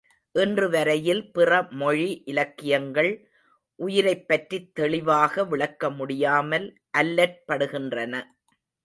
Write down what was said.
இன்று வரையில் பிறமொழி இலக்கியங்கள் உயிரைப்பற்றித் தெளிவாக விளக்க முடியாமல் அல்லற்படுகின்றன.